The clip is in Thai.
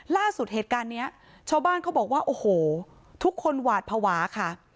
ล่าสุดเหตุการณ์นี้ชาวบ้านเขาบอกว่าโอ้โหทุกคนหวาดภาวะค่ะ